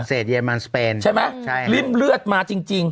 เศรษฐ์เยมันสเปนใช่ไหมริ่มเลือดมาจริง